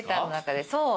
そう。